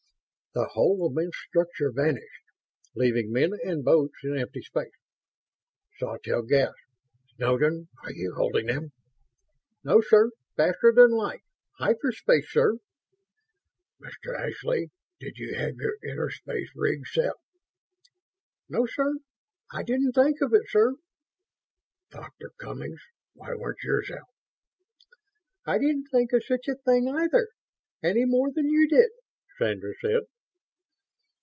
The whole immense structure vanished, leaving men and boats in empty space. Sawtelle gasped. "Snowden! Are you holding 'em?" "No, sir. Faster than light; hyperspace, sir." "Mr. Ashby, did you have your interspace rigs set?" "No, sir. I didn't think of it, sir." "Doctor Cummings, why weren't yours out?" "I didn't think of such a thing, either any more than you did," Sandra said.